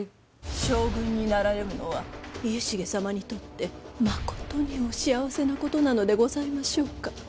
将軍になられるのは家重様にとってまことにお幸せなことなのでございましょうか？